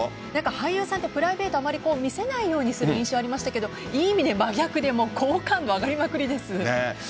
俳優さんってプライベートをあまり見せないようにする印象がありましたがいい意味で真逆で好感度上がりまくりです。